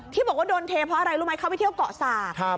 ที่บอกว่าโดนเทเพราะอะไรรู้ไหมเขาไปเที่ยวเกาะสาก